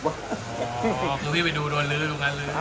อ๋อคือพี่ไปดูโดนลื้อทุกงานลื้อ